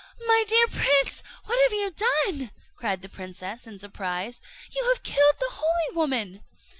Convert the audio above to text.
"My dear prince, what have you done?" cried the princess, in surprise. "You have killed the holy woman!"